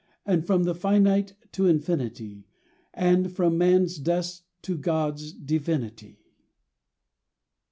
And from the finite to infinity, And from man's dust to God's divinity."